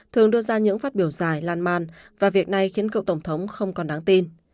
thường đưa ra những phát biểu dài lan man và việc này khiến cựu tổng thống không còn đáng tin